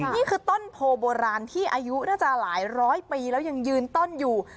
นี่คือต้นโพโบราณที่อายุน่าจะหลายร้อยปีแล้วยังยืนต้นอยู่